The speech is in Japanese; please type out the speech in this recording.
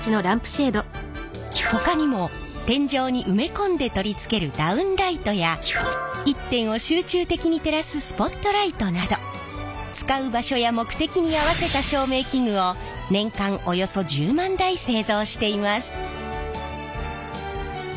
ほかにも天井に埋め込んで取り付けるダウンライトや一点を集中的に照らすスポットライトなど使う場所や目的に合わせた照明器具を年間およそ１０万台製造しています。